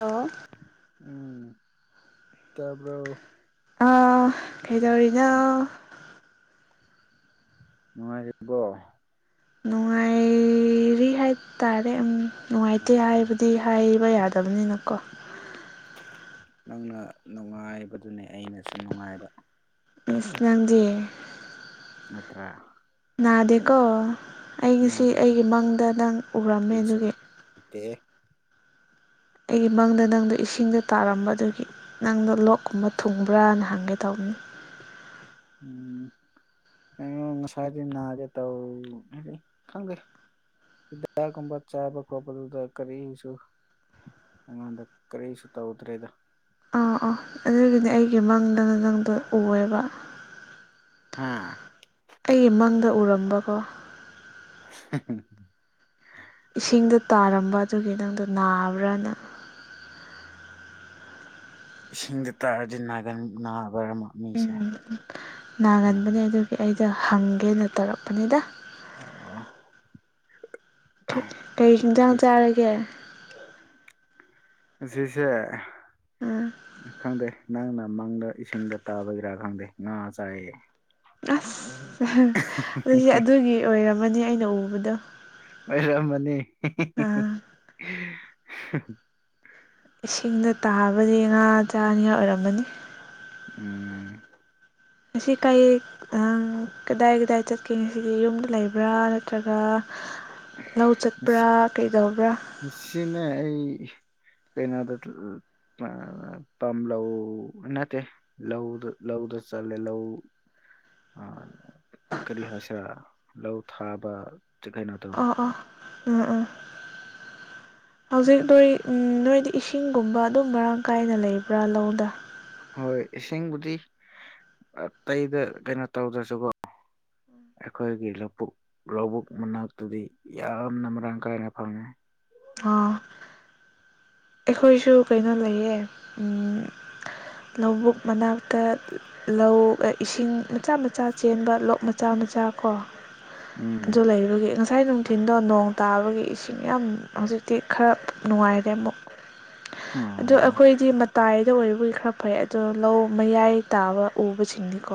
ꯑꯣ ꯎꯝ ꯇꯥꯕꯔꯣ ꯀꯩꯗꯧꯔꯤꯅꯣ ꯅꯨꯡꯉꯥꯏꯔꯤꯕꯣ ꯅꯨꯡꯉꯥꯏꯔꯤ ꯍꯥꯏꯇꯥꯔꯦ ꯅꯨꯡꯉꯥꯏꯇꯦ ꯍꯥꯏꯕꯗꯤ ꯍꯥꯏꯕ ꯌꯥꯗꯕꯅꯤꯅꯀꯣ ꯅꯪꯅ ꯅꯨꯡꯉꯥꯏꯕꯗꯨꯅꯦ ꯑꯩꯅꯁꯨ ꯅꯨꯡꯉꯥꯏꯕ ꯃꯤꯁ ꯅꯪꯗꯤꯦ ꯅꯠꯇ꯭ꯔ ꯅꯥꯗꯦꯀꯣ ꯑꯩꯒꯤꯁꯤ ꯅꯥꯗꯤ ꯅꯥꯁꯨ ꯑꯩꯒꯤ ꯃꯪꯗ ꯅꯪ ꯎꯔꯝꯃꯦ ꯑꯗꯨꯒꯤ ꯠꯇ ꯑꯩꯒꯤ ꯃꯪꯗ ꯅꯪꯗꯣ ꯏꯁꯤꯡꯗ ꯇꯥꯔꯝꯕ ꯑꯗꯨꯒꯤ ꯅꯪꯗꯣ ꯂꯣꯛꯀꯨꯝꯕ ꯊꯨꯡꯕ꯭ꯔꯥꯅ ꯍꯪꯒꯦ ꯇꯧꯕꯅꯤ ꯎꯝ ꯉꯁꯥꯏꯒꯦ ꯇ ꯈꯪꯒ ꯍꯤꯗꯥꯛꯒꯨꯝꯕ ꯆꯥꯕ ꯈꯣꯠꯄꯗꯨꯗ ꯀꯔꯤꯁꯨ ꯑꯩꯉꯣꯟꯗ ꯀꯔꯤꯁꯨ ꯇꯧꯗ꯭ꯔꯦꯗ ꯑꯥ ꯑꯥ ꯑꯗꯨꯒꯤꯅꯦ ꯑꯩꯒꯤ ꯃꯪꯗꯅ ꯅꯪꯗꯣ ꯎꯑꯦꯕ ꯍꯥꯥ ꯑꯩ ꯃꯪꯗ ꯎꯔꯝꯕꯀꯣ [unintelligible] ꯏꯁꯤꯡꯗ ꯇꯥꯔꯝꯕ ꯑꯗꯨꯒꯤ ꯅꯪꯗꯣ ꯅꯥꯕ꯭ꯔꯥ ꯅꯪ ꯏꯁꯤꯡꯗ ꯇꯥꯔꯗꯤ ꯅꯥꯒꯟ ꯅꯥꯕꯔ ꯑꯃ ꯎꯝ ꯅꯥꯒꯟꯕꯅꯦ ꯑꯗꯨꯒꯤ ꯑꯩꯗ ꯍꯪꯒꯦꯅ ꯇꯧꯔꯛꯄꯅꯤꯗ ꯑꯥ ꯀꯩ ꯍꯟꯖꯥꯡ ꯆꯥꯔꯒꯦ ꯁꯤꯁꯦ ꯎꯝ ꯈꯪꯗꯦ ꯅꯪꯅ ꯃꯪꯗ ꯏꯁꯤꯡꯗ ꯇꯥꯕꯒꯤꯔꯥ ꯈꯪꯗꯦ ꯉꯥ ꯆꯥꯏꯌꯦ ꯑꯁ ꯑꯗꯨꯗꯤ ꯑꯗꯨꯒꯤ ꯑꯣꯏꯔꯝꯃꯅꯤ ꯑꯩꯅ ꯎꯕꯗꯣ ꯃꯔ ꯃꯅꯤ ꯑꯥ ꯏꯁꯤꯡꯗ ꯇꯥꯕꯗꯤ ꯉꯥ ꯆꯥꯅꯤꯉꯥꯏ ꯑꯣꯏꯔꯝꯃꯅꯤ ꯎꯝ ꯑꯁꯤ ꯀꯩ ꯑꯥꯡ ꯀꯗꯥꯏ ꯀꯗꯥꯏ ꯆꯠꯀꯦ ꯉꯁꯤꯗꯤ ꯌꯨꯝꯗ ꯂꯩꯕ꯭ꯔꯥ ꯅꯠꯇ꯭ꯔꯒ ꯂꯧ ꯆꯠꯄ꯭ꯔꯥ ꯀꯩꯗꯧꯕ꯭ꯔꯥ ꯁꯤꯅꯦ ꯑꯩ ꯀꯩꯅꯣꯗ ꯑ ꯄꯝꯂ ꯅꯠꯇ ꯂꯍꯗ ꯂꯎꯗ ꯆꯂ ꯂꯍ ꯀꯔꯤ ꯍꯥꯏꯁꯤꯔꯥ ꯂꯧ ꯊꯥꯕꯩꯅ ꯑꯣ ꯑ ꯎꯝ ꯎꯝ ꯍꯧꯖꯤꯛ ꯅꯣꯏ ꯎ ꯅꯣꯏꯗꯤ ꯏꯁꯤꯡꯒꯨꯝꯕ ꯑꯗꯨꯝ ꯃꯔꯥꯡ ꯀꯥꯏꯅ ꯂꯩꯕ꯭ꯔꯥ ꯂꯧꯗ ꯍꯣꯏ ꯏꯁꯤꯡꯕꯨꯗꯤ ꯑꯇꯩꯗ ꯀꯩꯅꯣ ꯇꯧꯗ꯭ꯔꯁꯨꯀꯣ ꯑꯩꯈꯣꯏꯒꯤ ꯂꯧꯕꯨꯛ ꯂꯧꯕꯨꯛ ꯃꯅꯥꯛꯇꯨꯗꯤ ꯌꯥꯝꯅ ꯃꯔꯥꯡ ꯀꯥꯏꯅ ꯐꯪꯉꯦ ꯑꯥ ꯑꯩꯈꯣꯏꯁꯨ ꯀꯩꯅꯣ ꯂꯩꯌꯦ ꯂꯧꯕꯨꯛ ꯃꯅꯥꯛꯇ ꯂꯧ ꯏꯁꯤꯡ ꯃꯆꯥ ꯃꯆꯥ ꯆꯦꯟꯕ ꯂꯣꯛ ꯃꯆꯥ ꯃꯆꯥ ꯀꯣ ꯎꯝ ꯑꯣ ꯂꯩꯔꯨꯒꯦ ꯉꯥꯏ ꯉꯥꯏ ꯅꯨꯡꯊꯤꯟꯜꯗꯣ ꯅꯣꯡ ꯇꯥꯕꯒꯤ ꯏꯁꯤꯡ ꯌꯥꯝ ꯍꯧꯖꯤꯛꯇꯤ ꯈꯔ ꯅꯨꯡꯉꯥꯏꯔꯦ ꯑꯃꯨꯛ ꯎꯝ ꯑꯗꯣ ꯑꯩꯈꯣꯏꯗꯤ ꯃꯇꯥꯏꯗ ꯑꯣꯏꯕꯕꯨꯒꯤ ꯈꯔ ꯐꯩ ꯑꯗꯣ ꯂꯧ ꯃꯌꯥꯏ ꯇꯥꯕ ꯎꯕꯁꯤꯡꯅꯤꯀꯣ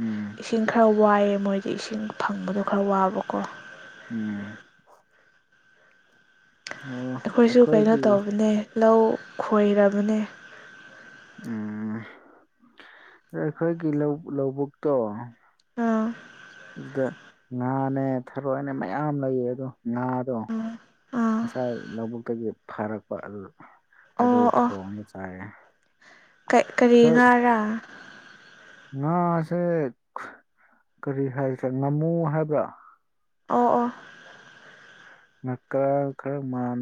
ꯎꯝ ꯏꯁꯤꯡ ꯈꯔ ꯋꯥꯏꯑꯦ ꯃꯣꯏꯗꯤ ꯏꯁꯤꯡ ꯐꯪꯕꯗꯣ ꯈꯔ ꯋꯥꯕꯀꯣ ꯎꯝ ꯑꯣ ꯑꯩꯈꯣꯏꯁꯨ ꯀꯩꯅꯣ ꯑꯩꯈꯣꯏꯒꯤ ꯇꯧꯕꯅꯦ ꯂꯧ ꯈꯣꯏꯔꯕꯅꯦ ꯎꯝ ꯑꯩꯈꯣꯏꯒꯤ ꯂꯧꯕꯨꯛꯇꯣ ꯑꯝ ꯑꯗꯨꯗ ꯉꯥꯅꯦ ꯊꯔꯣꯏꯅꯦ ꯃꯌꯥꯝ ꯂꯩꯌꯦ ꯑꯗꯣ ꯉꯥꯗꯣ ꯑꯥ ꯑꯥ ꯉꯁꯥꯏ ꯂꯧꯕꯨꯛꯇꯒꯤ ꯐꯔꯛꯄ ꯑꯗꯨ ꯑꯗꯨ ꯑꯣ ꯊꯣꯡꯒ ꯆꯥꯏꯌꯦ ꯀꯩ ꯀꯔꯤ ꯊꯔꯣꯏ ꯉꯥꯔꯥ ꯉꯥꯁꯦ ꯀꯔꯤ ꯍꯥꯏꯁꯦ ꯉꯥꯃꯨ ꯍꯥꯏꯕ꯭ꯔꯥ ꯑꯣ ꯑꯣ [unintelligible] ꯃꯥꯟ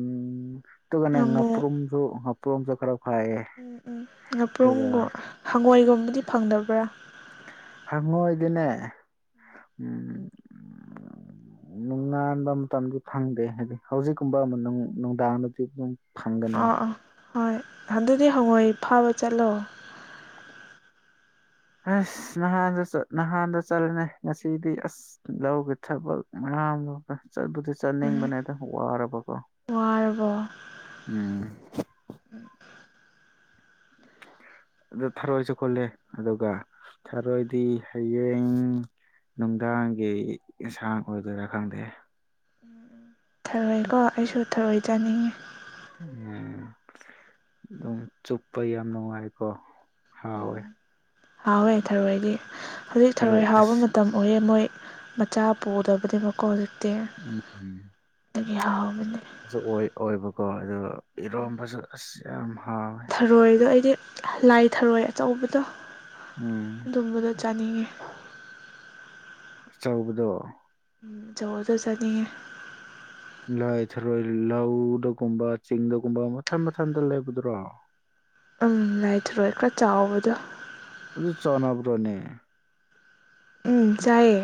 ꯇꯨꯒꯅ ꯉꯥꯃꯨ ꯉꯥꯄꯔꯨꯝ [unintelligible] ꯈꯔ ꯐꯥꯏꯌꯦ ꯑꯗꯨꯒ ꯉꯥꯄ꯭ꯔꯨꯝꯒ ꯍꯪꯉꯣꯏꯒꯨꯝꯕꯗꯤ ꯐꯪꯗꯕ꯭ꯔꯥ ꯍꯪꯉꯣꯏꯗꯤꯅꯦ ꯎꯝ [inaudible] ꯅꯨꯡꯉꯕ ꯃꯇꯝꯗꯨ ꯐꯪꯗꯦ ꯍꯥꯏꯗꯤ ꯍꯧꯖꯤꯛꯀꯨꯝꯕ ꯑꯃ ꯅꯨꯡꯗꯥꯡꯗꯗꯤ ꯑꯗꯨꯝ ꯐꯪꯒꯅꯤ ꯑꯥ ꯑꯥ ꯍꯣꯏ ꯍꯟꯗꯗꯤ ꯍꯪꯉꯣꯏ ꯐꯥꯕ ꯆꯠꯂꯣ ꯑꯁ ꯅꯍꯥꯟꯗ ꯅꯍꯥꯟꯗ ꯆꯠꯂꯅꯦ ꯉꯁꯤꯗꯤ ꯑꯁ ꯂꯧꯒꯦ ꯊꯕꯛ ꯃꯌꯥꯝ ꯆꯠꯄꯗꯤ ꯎꯝ ꯆꯠꯅꯤꯡꯕꯅꯦ ꯑꯗꯥ ꯋꯥꯔꯕꯀꯣ ꯋꯥꯔꯕꯣ ꯎꯝ ꯑꯗꯨ ꯊꯥꯔꯣꯏꯁꯨ ꯈꯣꯠꯂꯦ ꯑꯗꯨꯒ ꯊꯔꯣꯏꯗꯤ ꯍꯌꯦꯡ ꯅꯨꯡꯗꯥꯡꯒꯤ ꯌꯦꯟꯁꯥꯡ ꯑꯣꯏꯗꯣꯏꯔꯥ ꯈꯪꯗꯦ ꯊꯔꯣꯏꯀꯣ ꯑꯩꯁꯨ ꯊꯔꯣꯏ ꯆꯥꯅꯤꯡꯉꯤ ꯎꯝ ꯑꯗꯨꯝ ꯆꯨꯞꯄ ꯌꯥꯝ ꯅꯨꯡꯉꯥꯏꯀꯣ ꯍꯥꯎꯋꯦ ꯎꯝ ꯍꯥꯎꯋꯦ ꯊꯔꯣꯏꯗꯤ ꯍꯧꯖꯤꯛ ꯊꯔꯣꯏ ꯍꯥꯎꯕ ꯃꯇꯝ ꯑꯣꯏꯌꯦ ꯃꯣꯏ ꯃꯆꯥ ꯄꯨꯗꯕꯗꯤ ꯃꯀꯣ ꯇꯦ ꯎꯝ ꯑꯗꯒꯤ ꯍꯥꯎꯕꯅꯤ ꯑꯣꯏ ꯑꯣꯏꯕꯀꯣ ꯑꯗꯨꯒ ꯏꯔꯣꯝꯕꯁꯨ ꯑꯁ ꯌꯥꯝ ꯍꯥꯎꯋꯦ ꯊꯔꯣꯏꯗꯣ ꯑꯩꯗꯤ ꯂꯥꯏ ꯊꯔꯣꯏ ꯑꯆꯧꯕꯗꯣ ꯎꯝ ꯑꯗꯨꯝꯕꯗꯣ ꯆꯥꯅꯤꯡꯉꯤ ꯑꯆꯧꯕꯗꯣ ꯑꯆꯧꯕꯗꯨ ꯆꯠꯅꯤꯡꯉꯦ ꯂꯥꯏ ꯊꯔꯣꯏ ꯂꯧꯗꯒꯨꯝꯕ ꯆꯤꯡꯗꯒꯨꯝꯕ ꯃꯊꯟ ꯃꯊꯟꯇ ꯂꯩꯕꯗꯨꯔꯣ ꯎꯝ ꯂꯥꯏꯊꯔꯣꯏ ꯈꯔ ꯆꯥꯎꯕꯗꯣ ꯑꯗꯨ ꯆꯥꯅꯕ꯭ꯔꯣꯅꯦ ꯎꯝ ꯆꯥꯏꯌꯦ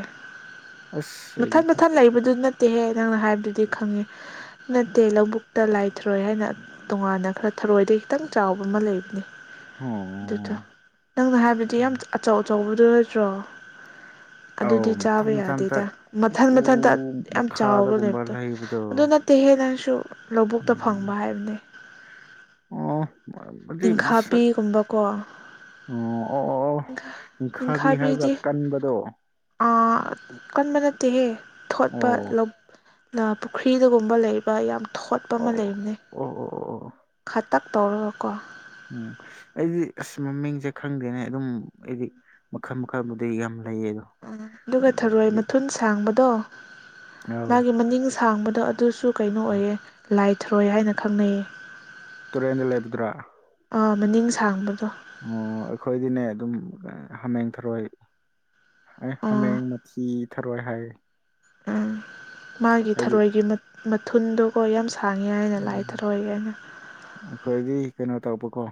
ꯑꯁ ꯑꯩꯗꯤ ꯃꯊꯟ ꯃꯊꯟ ꯂꯩꯕꯗꯨꯅ ꯇꯦꯍꯦ ꯅꯪꯅ ꯍꯥꯏꯕꯗꯨꯗꯤ ꯈꯪꯉꯦ ꯅꯠꯇꯦ ꯂꯧꯕꯨꯛꯇ ꯂꯥꯏꯊꯔꯣꯏ ꯍꯥꯏꯅ ꯇꯣꯉꯥꯟꯅ ꯈꯔ ꯊꯔꯣꯏꯗ ꯈꯤꯇꯪ ꯆꯥꯎꯕ ꯑꯃ ꯂꯩꯕꯅꯦ ꯑꯣ ꯗꯨꯗꯣ ꯅꯪꯅ ꯍꯥꯏꯕꯗꯤ ꯌꯥꯝ ꯑꯆꯧ ꯑꯆꯧꯕꯗꯨ ꯅꯠꯇ꯭ꯔꯣ ꯑꯧ ꯑꯗꯨꯗꯤ ꯃꯊꯟ ꯆꯥꯕ ꯃꯊꯟꯇ ꯌꯥꯗꯦꯗ ꯃꯊꯟ ꯎ ꯃꯊꯟꯇ ꯌꯥꯝ ꯆꯥꯎꯕ ꯂꯩꯕꯗꯣ ꯑꯗꯨꯅ ꯇꯦꯍꯦ ꯅꯪꯁꯨ ꯂꯧꯕꯨꯛꯇ ꯐꯪꯕ ꯎꯝ ꯍꯥꯏꯕꯅꯦ ꯑꯣ ꯑꯗꯨꯗꯤ ꯃꯁꯛ ꯇꯤꯡꯈꯥꯕꯤꯒꯨꯝꯕꯀꯣ ꯑꯣ ꯑꯣ ꯑꯣ ꯅꯤꯡꯈꯥꯕꯤ ꯍꯥꯏꯕ꯭ꯔꯥ ꯅꯤꯡꯈꯥꯕꯤꯗꯤ ꯀꯟꯕꯗꯣ ꯑꯥ ꯀꯟꯕ ꯅꯠꯇꯦꯍꯦ ꯊꯣꯠꯄ ꯑꯣ ꯅꯥ ꯄꯨꯈ꯭ꯔꯤꯗꯒꯨꯝꯕ ꯂꯩꯕ ꯌꯥꯝ ꯊꯣꯠꯄ ꯑꯃ ꯑꯣ ꯂꯩꯕꯅꯦ ꯑꯣ ꯑꯣ ꯑꯣ ꯑꯣ ꯈꯇꯛ ꯇꯧꯔꯒꯀꯣ ꯎꯝ ꯑꯩꯗꯤ ꯑꯁ ꯃꯃꯤꯡꯁꯦ ꯈꯪꯗꯦꯅꯦ ꯑꯗꯨꯝ ꯑꯩꯗꯤ ꯃꯈꯜ ꯃꯈꯥꯕꯨꯗꯤ ꯌꯥꯝ ꯂꯩꯌꯦꯗꯣ ꯑꯗꯨꯒ ꯊꯔꯣꯏ ꯃꯊꯨꯟ ꯁꯥꯡꯕꯗꯣ ꯑꯧ ꯃꯥꯒꯤ ꯃꯅꯤꯡ ꯁꯥꯡꯕꯗꯣ ꯑꯗꯨꯁꯨ ꯀꯩꯅꯣ ꯑꯣꯏꯌꯦ ꯂꯥꯏ ꯊꯔꯣꯏ ꯍꯥꯏꯅ ꯈꯪꯅꯩꯌꯦ ꯇꯨꯔꯦꯟꯗ ꯂꯩꯕꯗꯨꯔꯥ ꯑꯥ ꯃꯅꯤꯡ ꯁꯥꯡꯕꯗꯣ ꯑꯣ ꯑꯩꯈꯣꯏꯗꯤꯅꯦ ꯑꯗꯨꯝ ꯍꯥꯃꯦꯡ ꯊꯔꯣꯏ ꯑꯥ ꯍꯥꯃꯦꯡ ꯃꯊꯤ ꯊꯔꯣꯏ ꯍꯥꯏ ꯃꯥꯒꯤ ꯍꯥꯏꯗꯤ ꯊꯔꯣꯏꯒꯤ ꯃꯊꯨꯟꯗꯣꯀꯣ ꯌꯥꯝ ꯁꯥꯡꯉꯦ ꯍꯥꯏꯅ ꯂꯥꯏ ꯎꯝ ꯊꯔꯣꯏꯅ ꯑꯩꯈꯣꯏꯗꯤ ꯀꯩꯅꯣ ꯇꯧꯕꯀꯣ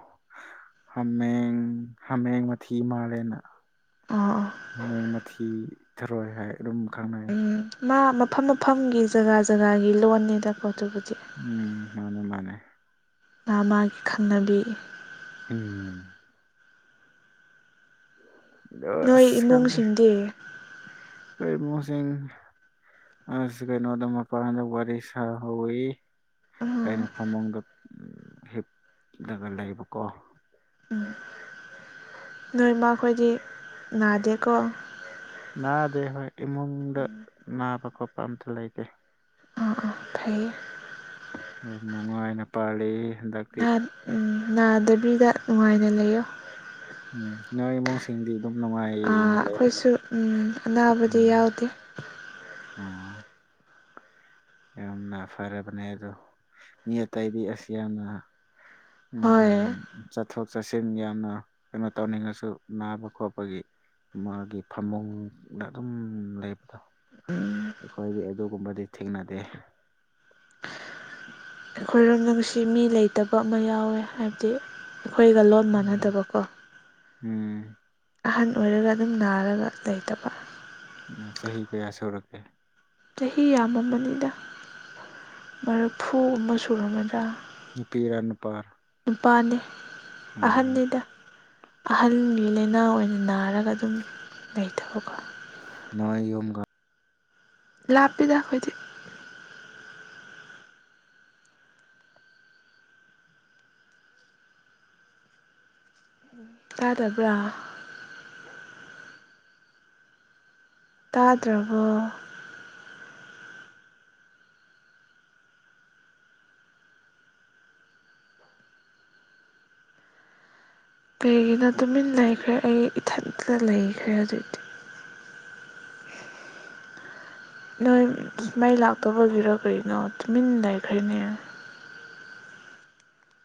ꯍꯃꯦꯡ ꯍꯃꯦꯡ ꯃꯊꯤ ꯃꯂꯦꯅ ꯑꯥ ꯍꯃꯦꯡ ꯃꯊꯤ ꯊꯥꯔꯣꯏ ꯍꯥꯏ ꯑꯗꯨꯝ ꯈꯪꯅꯩ ꯎꯝ ꯃꯥ ꯃꯐꯝ ꯃꯐꯝꯒꯤ ꯖꯒꯥ ꯖꯒꯥꯒꯤ ꯂꯣꯟꯅꯤꯗꯀꯣ ꯑꯗꯨꯕꯨꯗꯤ ꯎꯝ ꯃꯥꯅꯦ ꯃꯥꯅꯦ ꯃꯥ ꯃꯥꯒꯤ ꯈꯟꯅꯕꯤ ꯎꯝ ꯑꯗꯣ ꯅꯣꯏ ꯏꯃꯨꯡꯁꯤꯡꯗꯤ ꯑꯩ [unintelligible] ꯏꯃꯨꯁꯤꯟ ꯑꯁ ꯀꯩꯅꯣꯗ ꯃꯄꯥꯟꯗ ꯋꯥꯔꯤ ꯁꯍꯧꯏ ꯎꯝ ꯑꯩꯅ ꯐꯃꯨꯡꯗ ꯍꯤꯞꯂꯒ ꯂꯩꯕꯀꯣ ꯎꯝ ꯅꯣꯏꯃ ꯑꯩꯈꯣꯏꯗꯤ ꯅꯥꯗꯦꯀꯣ ꯅꯥꯗꯦ ꯍꯣꯏ ꯏꯃꯨꯡꯗ ꯅꯥꯕ ꯈꯣꯠꯄ ꯑꯝꯇ ꯂꯩꯇꯦ ꯑꯥ ꯑꯥ ꯐꯩꯌꯦ ꯌꯥꯝ ꯅꯨꯡꯉꯥꯏꯅ ꯄꯥꯜꯂꯤ ꯍꯟꯗꯛ ꯅꯥꯗꯕꯤꯗ ꯅꯨꯡꯉꯥꯏꯅ ꯂꯩꯌꯣ ꯅꯣꯏ [unintelligible] ꯁꯤꯡꯗꯤ ꯑꯗꯨꯝ ꯅꯨꯡꯉꯥꯏꯅ ꯑꯩꯈꯣꯏꯁꯨ ꯂꯩꯔꯝꯅꯤ ꯎꯝ ꯑꯅꯥꯕꯗꯤ ꯌꯥꯎꯗꯦ [unintelligible] ꯌꯥꯝꯅ ꯐꯔꯕꯅꯦ ꯑꯗꯣ ꯃꯤ ꯑꯇꯩꯗꯤ ꯑꯁ ꯌꯥꯝꯅ ꯎꯝ ꯍꯣꯏ ꯎꯝ ꯆꯠꯊꯣꯛ ꯆꯠꯁꯤꯟ ꯌꯥꯝꯅ ꯀꯩꯅꯣ ꯇꯧꯅꯤꯡꯉꯁꯨ ꯅꯥꯕ ꯈꯣꯠꯄꯒꯤ ꯃꯥꯒꯤ ꯐꯃꯨꯡꯗ ꯑꯗꯨꯝ ꯂꯩꯕꯗꯣ ꯑꯩꯈꯣꯏꯗꯤ ꯑꯗꯨꯒꯨꯝꯕꯗꯤ ꯊꯦꯡꯅꯗꯦ ꯑꯩꯈꯣꯏꯔꯣꯗꯝꯪꯁꯤ ꯃꯤ ꯂꯩꯇꯕ ꯑꯃ ꯌꯥꯎꯋꯦ ꯍꯥꯏꯕꯗꯤ ꯑꯩꯈꯣꯏꯒ ꯂꯣꯟ ꯎꯝ ꯃꯥꯟꯅꯗꯕꯀꯣ ꯎꯝ ꯑꯍꯟ ꯑꯣꯏꯔꯒ ꯑꯗꯨꯝ ꯅꯥꯔꯒ ꯂꯩꯇꯕ ꯆꯍꯤ ꯀꯌꯥ ꯁꯨꯔꯛꯀꯦ ꯆꯍꯤ ꯌꯥꯝꯃꯃꯅꯤꯗ ꯃꯔꯐꯨ ꯑꯃ ꯁꯨꯔꯝꯒꯗ꯭ꯔꯥ ꯅꯨꯄꯤꯔ ꯅꯨꯄꯥꯔ ꯅꯨꯄꯥꯅꯤ ꯎꯝ ꯑꯍꯟꯅꯤꯗ ꯑꯍꯟꯒꯤ ꯂꯥꯏꯅꯥ ꯑꯣꯏꯅ ꯅꯥꯔꯒ ꯑꯗꯨꯝ ꯂꯩꯇꯕꯀꯣ ꯅꯣꯏ ꯌꯨꯝꯒꯥꯗ ꯂꯥꯞꯄꯤꯗ ꯑꯩꯈꯣꯏꯗꯤ ꯇꯥꯗꯕ꯭ꯔꯥ ꯇꯥꯗ꯭ꯔꯕꯣ ꯀꯩꯒꯤꯅ ꯇꯨꯃꯤꯟ ꯂꯩꯈ꯭ꯔꯦ ꯑꯩ ꯏꯊꯟꯇ ꯂꯩꯈ꯭ꯔꯦ ꯑꯗꯨꯏꯗꯤ ꯅꯣꯏ ꯃꯥꯏ ꯂꯥꯛꯇꯕꯒꯤꯔ ꯀꯩꯅꯣ ꯇꯨꯃꯤꯟꯅ ꯂꯩꯈ꯭ꯔꯦꯅꯦ